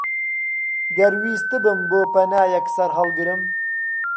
گەر ویستبم بۆ پەنایەک سەرهەڵگرم،